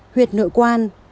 huyệt nội quan